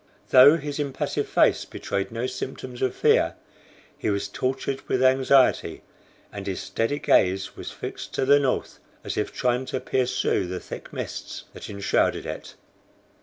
Though his impassive face betrayed no symptoms of fear, he was tortured with anxiety, and his steady gaze was fixed on the north, as if trying to pierce through the thick mists that enshrouded it.